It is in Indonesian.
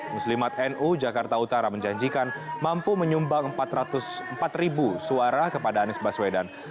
muslimat nu jakarta utara menjanjikan mampu menyumbang empat suara kepada anis baswedan